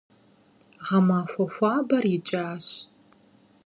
Гъэмахуэ хуабэр икӀащ.